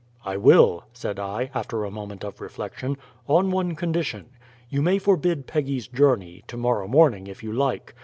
"I will," said I, after a moment of reflection, "on one condition. You may forbid Peggy's journey, to morrow morning if you like.